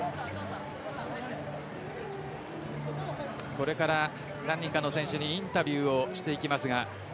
これから何人かの選手にインタビューをしていきます。